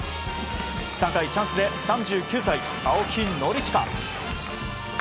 ３回、チャンスで３９歳、青木宣親。